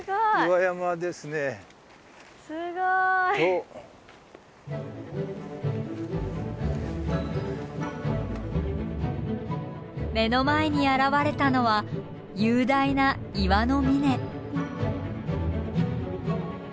うわ目の前に現れたのは雄大な岩の峰。